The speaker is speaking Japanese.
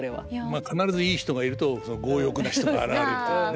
まあ必ずいい人がいると強欲な人が現れるというね。